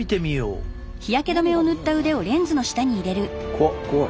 怖っ怖い。